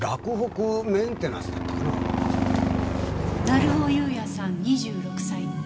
成尾優也さん２６歳。